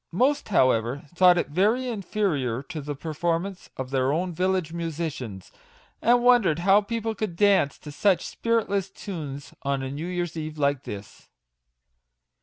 Most, however, thought it very inferior to the performance of their own village musicians, and wondered how people could dance to such spiritless tunes on a new year's eve like this.